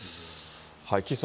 岸さん